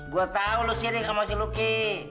gua tau lu sirik sama si luki